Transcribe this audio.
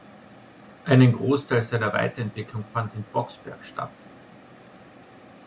Einen Großteil seiner Weiterentwicklung fand in Boxberg statt.